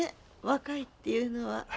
若いっていうのは。